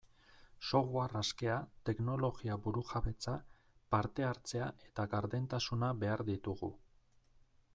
Software askea, teknologia burujabetza, parte-hartzea eta gardentasuna behar ditugu.